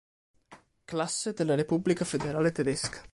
Klasse della Repubblica Federale Tedesca.